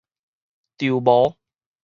籌謀